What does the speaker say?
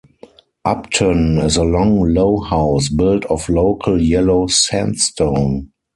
Upton is a long low house built of local yellow sandstone.